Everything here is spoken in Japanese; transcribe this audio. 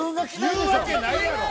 言うわけないやろ！